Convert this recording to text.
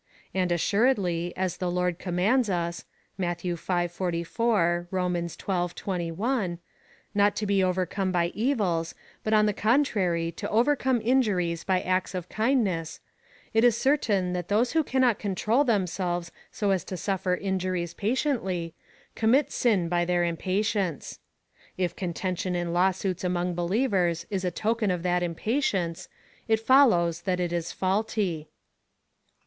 And, assuredly, as the Lord commands us (Matt. v. 44; Rom. xii. 21) not to be over come by evils, but on the contrary to overcome injuries by acts of kindness, it is certain, that those who cannot control themselves so as to suiFer injuries patiently, commit sin by their impatience. If contention in law suits among believers is a token of that impatience, it follows that it is faidty.